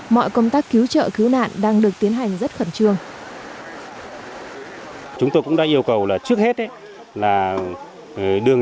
mọi công tác cứu trợ cứu nạn đang được tiến hành rất khẩn trương